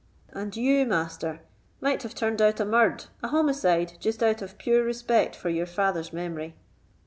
And you, Master, might have turned out a murd——a homicide, just out of pure respect for your father's memory."